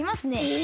え！